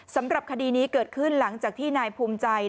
สำหรับคดีนี้เกิดขึ้นหลังจากที่นายภูมิใจ